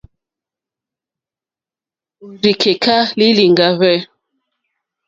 Òrzì kèká lìlìŋɡá hwɛ̂.